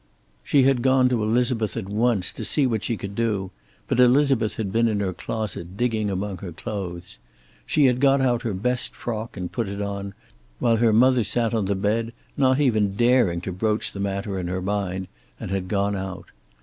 She had gone to Elizabeth at once, to see what she could do, but Elizabeth had been in her closet, digging among her clothes. She had got out her best frock and put it on, while her mother sat on the bed not even daring to broach the matter in her mind, and had gone out.